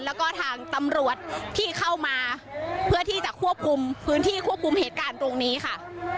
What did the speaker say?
แล้วก็ทางตำรวจที่เข้ามาเพื่อที่จะควบคุมพื้นที่ควบคุมเหตุการณ์ตรงนี้ค่ะ